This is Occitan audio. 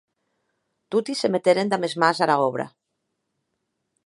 Toti se meteren damb es mans ara òbra.